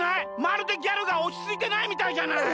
まるでギャルがおちついてないみたいじゃない！